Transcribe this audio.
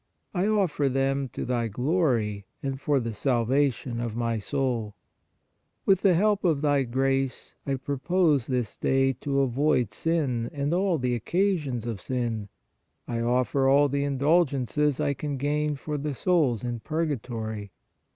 I offer them to Thy glory and for the salvation of my soul. With the help of Thy grace I purpose this day to avoid sin and all the occasions of sin! I offer all the indulgences I can gain for the souls in purgatory.